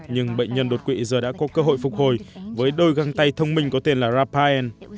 nhưng bệnh nhân đột quỵ giờ đã có cơ hội phục hồi với đôi găng tay thông minh có tên là raphen